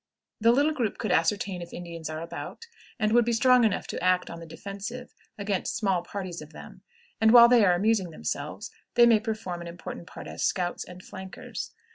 The little group could ascertain if Indians are about, and would be strong enough to act on the defensive against small parties of them; and, while they are amusing themselves, they may perform an important part as scouts and flankers.